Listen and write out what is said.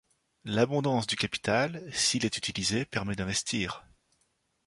L'abondance du capital, s'il est utilisé, permet d'investir.